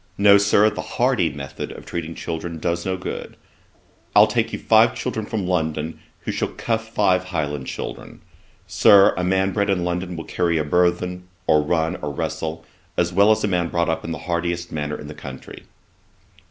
No, Sir, the hardy method of treating children does no good. I'll take you five children from London, who shall cuff five Highland children. Sir, a man bred in London will carry a burthen, or run, or wrestle, as well as a man brought up in the hardiest manner in the country.'